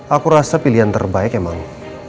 aku rasa pilihan terbaik emang